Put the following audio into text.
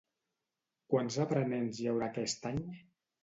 Quants aprenents hi haurà aquest any?